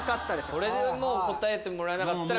これで答えてもらえなかったら。